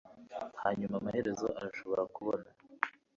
hanyuma amaherezo arashobora kubona